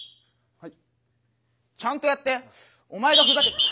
はい。